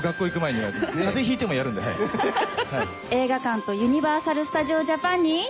映画館とユニバーサル・スタジオ・ジャパンに。